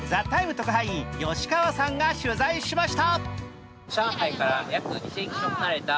特派員吉川さんが取材しました。